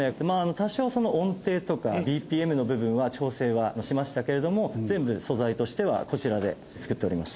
多少音程とかＢＰＭの部分は調整はしましたけれども全部素材としてはこちらで作っております。